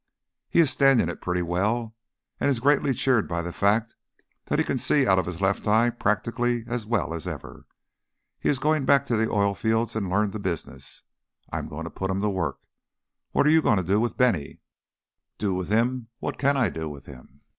"He is standing it pretty well, and is greatly cheered by the fact that he can see out of his left eye practically as well as ever. He is going back to the oil fields and learn the business. I am going to put him to work. What are you going to do with Bennie?" "Do with him? What can I do with him?"